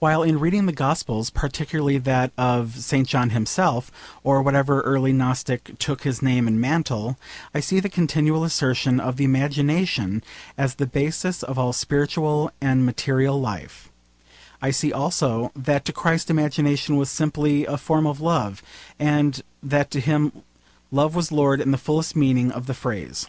While in reading the Gospels particularly that of St. John himself, or whatever early Gnostic took his name and mantle I see the continual assertion of the imagination as the basis of all spiritual and material life, I see also that to Christ imagination was simply a form of love, and that to him love was lord in the fullest meaning of the phrase.